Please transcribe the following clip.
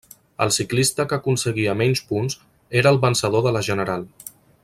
El ciclista que aconseguia menys punts era el vencedor de la general.